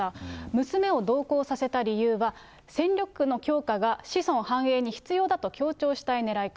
娘を同行させた理由は、戦力の強化が子孫繁栄に必要だと強調したいねらいか。